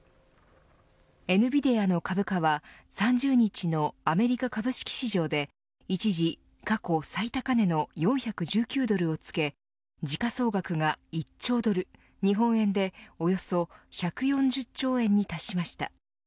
エヌビディアの株価は３０日のアメリカ株式市場で一時、過去最高値の４１９ドルをつけ時価総額が１兆ドル日本円でおよそ１４０兆円に達しました。